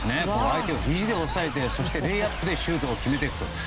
相手をひじで押さえてレイアップでシュートを決めていくと。